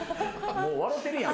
もう笑てるやん。